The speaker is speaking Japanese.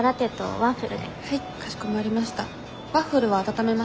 ワッフルは温めますか？